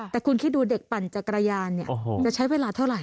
แต่คุณคิดดูเด็กปั่นจักรยานเนี่ยจะใช้เวลาเท่าไห